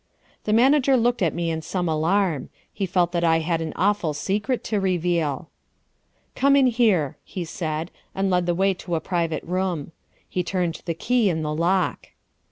The manager looked at me in some alarm. He felt that I had an awful secret to reveal. "Come in here," he said, and led the way to a private room. He turned the key in the lock.